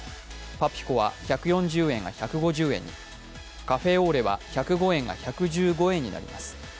パピコは１４０円が１５０円に、カフェオーレは１０５円が１１５円になります。